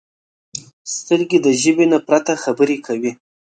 سترګې د ژبې نه پرته خبرې کوي